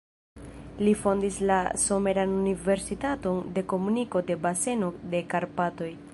Li fondis la Someran Universitaton de Komuniko de Baseno de Karpatoj.